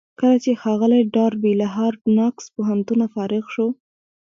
کله چې ښاغلی ډاربي له هارډ ناکس پوهنتونه فارغ شو.